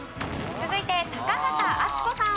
続いて高畑淳子さん。